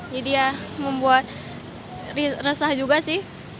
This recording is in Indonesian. jadi ya membuat resah juga sih